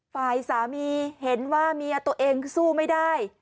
ฝ่ายสามีเห็นว่าเมียตัวเองสู้ไม่ได้